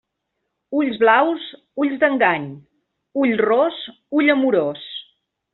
Ulls blaus, ulls d'engany; ull ros, ull amorós.